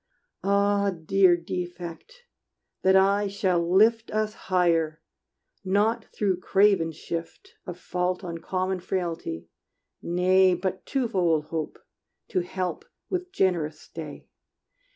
Ah, dear defect! that aye shall lift Us higher, not through craven shift Of fault on common frailty; nay, But twofold hope to help with generous stay!